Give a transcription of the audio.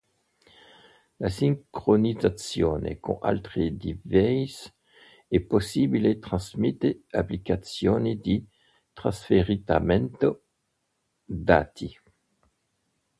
La sincronizzazione con altri device è possibile tramite applicazioni di trasferimento dati.